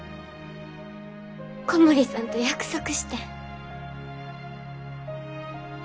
小森さんと約束してん。